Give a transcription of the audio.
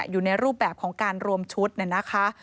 อยู่ในรูปแบบของการรวมชุดนะคะ